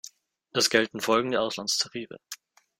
Es gelten folgende Auslandstarife.